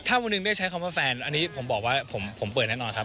ถ้าวันหนึ่งได้ใช้คำว่าแฟนอันนี้ผมบอกว่าผมเปิดแน่นอนครับ